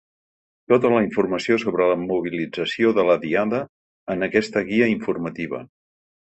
Tota la informació sobre la mobilització de la Diada en aquesta guia informativa.